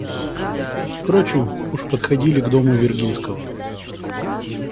Впрочем, уж подходили к дому Виргинского.